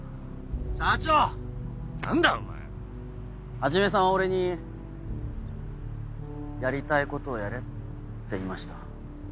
始さんは俺に「やりたいことをやれ」って言いました。